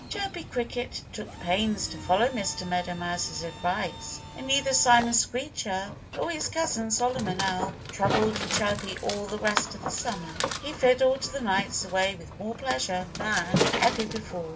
Chirpy Cricket took pains to follow Mr. Meadow Mouse's advice. And neither Simon Screecher nor his cousin Solomon Owl troubled Chirpy all the rest of the summer. He fiddled the nights away with more pleasure than ever before.